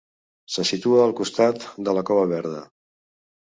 Se situa al costat de la Cova Verda.